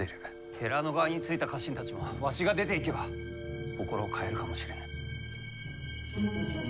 寺の側についた家臣たちもわしが出ていけば心を変えるかもしれぬ。